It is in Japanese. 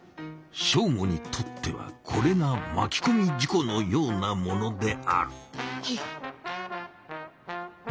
ショーゴにとってはこれがまきこみ事故のようなものである。